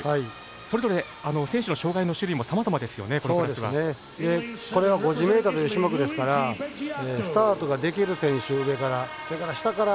それぞれ選手の障がいの種類もさまざまですよね、このクラスは。これは５０ｍという種目ですからスタートができる選手、上から。